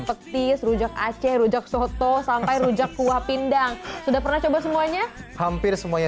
petis rujak aceh rujak soto sampai rujak kuah pindang sudah pernah coba semuanya hampir semuanya